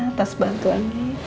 atas bantuan dia